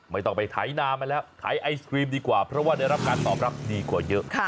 ไม่ต้องไปไถนามาแล้วขายไอศครีมดีกว่าเพราะว่าได้รับการตอบรับดีกว่าเยอะ